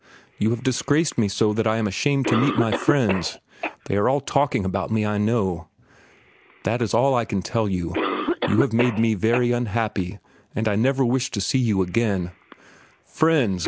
You have disgraced me so that I am ashamed to meet my friends. They are all talking about me, I know. That is all I can tell you. You have made me very unhappy, and I never wish to see you again." "Friends!